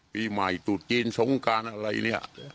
ปีใหม่ตุดจีนสงการอะไรเนี่ย